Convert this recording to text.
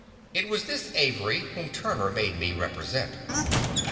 It was this Avery whom Turner made me represent.